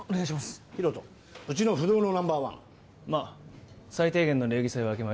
ヒロトうちの不動のナンバーワンまあ最低限の礼儀さえわきまえ